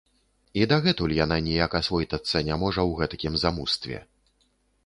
І дагэтуль яна ніяк асвойтацца не можа ў гэтакім замустве.